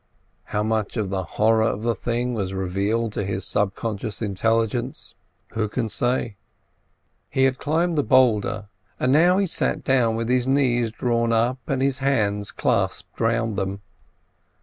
How much of the horror of the thing was revealed to his subconscious intelligence, who can say? He had climbed the boulder, and he now sat down with his knees drawn up, and his hands clasped round them.